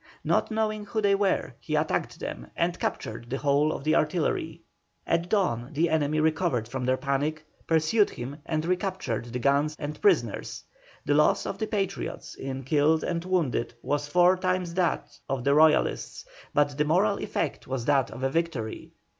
Not knowing who they were, he attacked them and captured the whole of the artillery. At dawn the enemy recovered from their panic, pursued him and recaptured the guns and prisoners. The loss of the Patriots in killed and wounded was four times that of the Royalists, but the moral effect was that of a victory.